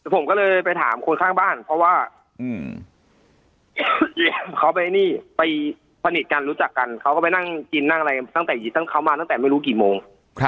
ผมก็เลยไปถามคนข้างบ้านเพราะว่าเขาไปนี่ไปสนิทกันรู้จักกันเขาก็ไปนั่งกินนั่งอะไรกันตั้งแต่เขามาตั้งแต่ไม่รู้กี่โมง